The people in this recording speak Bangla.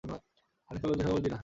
হানিফা লজ্জিত স্বরে বলল, জ্বি-না।